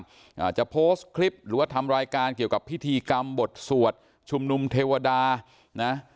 อ่าจะโพสต์คลิปหรือว่าทำรายการเกี่ยวกับพิธีกรรมบทสวดชุมนุมเทวดานะ